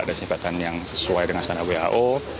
kantornya ada sasaran yang sesuai dengan standar who